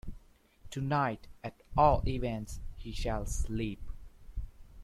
Tonight, at all events, he shall sleep.